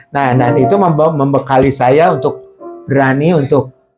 nah itu membekali saya untuk berani untuk